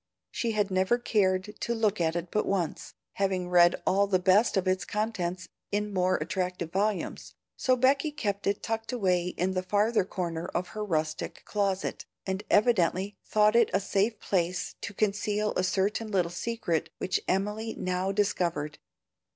She had never cared to look at it but once, having read all the best of its contents in more attractive volumes, so Becky kept it tucked away in the farther corner of her rustic closet, and evidently thought it a safe place to conceal a certain little secret which Emily now discovered.